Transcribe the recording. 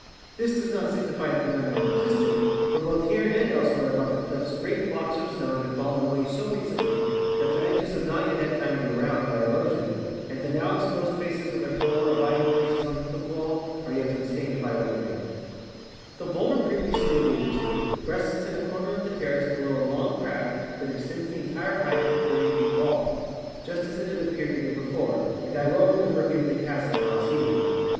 This does not signify that none ever existed, for both here and elsewhere about the cliffs great blocks of stone have fallen away so recentl}' that their edges have not yet had time to round by erosion, and the now exposed faces of their former abiding places on the cliff wall are yet unstained by weathering. (See Fig. 1.) 278 THE ENCHANTED MESA The bowlder previously alluded to rests in a corner of the ter race below a long crack that extends the entire height of the 30 feet of wall (PL 33), just as it had appeared to me before, and I well remember viewing the chasm while seated on it.